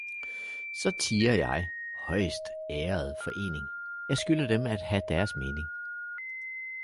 Så tier jeg, højstærede forening, jeg skylder dem at have deres mening